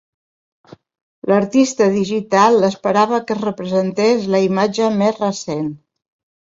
L'artista digital esperava que es representés la imatge més recent.